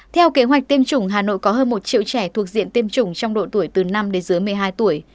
theo kế hoạch tiêm chủng hà nội có hơn một triệu trẻ thuộc diện tiêm chủng trong độ tuổi từ năm đến dưới một mươi hai tuổi